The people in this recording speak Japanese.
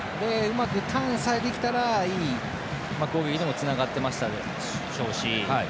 うまくターンさえできたらいい攻撃につながっていましたでしょうし。